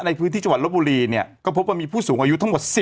ในพื้นที่จังหวัดลบบุรีเนี่ยก็พบว่ามีผู้สูงอายุทั้งหมด